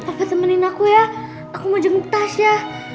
pak papa temenin aku ya aku mau jemput tasya